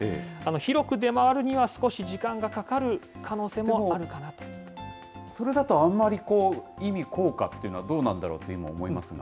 広く出回るには、少し時間がかかそれだとあんまり意味、効果というのはどうなんだろうって、今、思いますが。